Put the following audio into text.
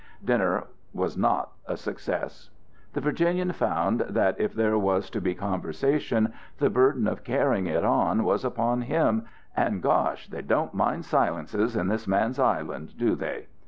Dinner was not a success. The Virginian found that, if there was to be conversation, the burden of carrying it on was upon him, and gosh! they don't mind silences in this man's island, do they?